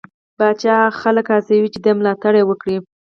پاچا خلک هڅوي چې دې ده ملاتړ وکړي.